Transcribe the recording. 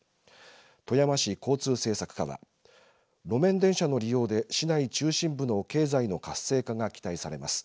富山市交通政策課は路面電車の利用で市内中心部の経済の活性化が期待されます。